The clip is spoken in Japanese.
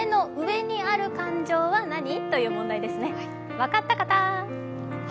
分かった方！